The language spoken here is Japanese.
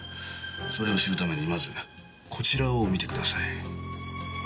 それを知るためにまずこちらを見てください。